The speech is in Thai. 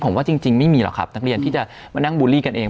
ผมว่าจริงไม่มีหรอกครับนักเรียนที่จะมานั่งบูลลี่กันเอง